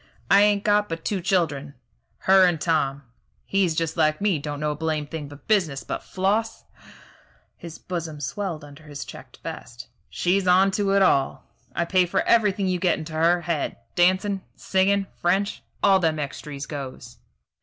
"I ain't got but two children, her and Tom. He's just like me don't know a blame thing but business; but Floss " his bosom swelled under his checked vest "she's on to it all. I pay for everything you get into her head. Dancin', singin', French all them extries goes."